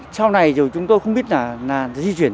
sau này chúng tôi không biết là di chuyển